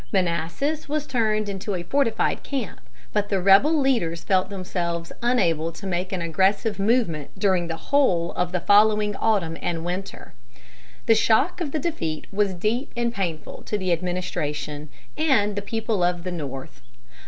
Manassas was turned into a fortified camp, but the rebel leaders felt themselves unable to make an aggressive movement during the whole of the following autumn and winter. The shock of the defeat was deep and painful to the administration and the people of the North.